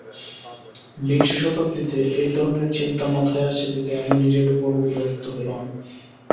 বিংশ শতাব্দীতে এই ধরনের চিন্তা মাথায় আসছে দেখে আমি নিজের ওপরও বিরক্ত হলাম।